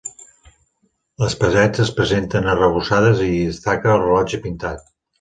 Les parets es presenten arrebossades i hi destaca el rellotge pintat.